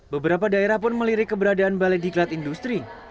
beberapa daerah pun melirik keberadaan balai diklat industri